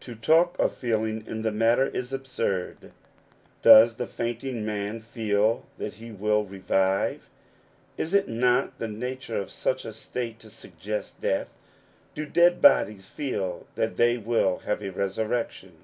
To talk of feeling in the matter is absurd. Does the fainting man feel that he will revive ? Is it not the nature of such a state to suggest death ? Do dead bodies feel that they will have a resurrection?'